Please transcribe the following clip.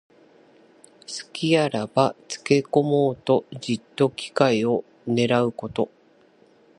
すきがあればつけこもうと、じっと機会をねらうこと。